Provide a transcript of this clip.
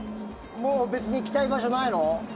もう、別に行きたい場所はないの？